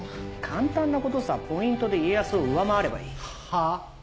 簡単なことさポイントで家康を上回ればいい。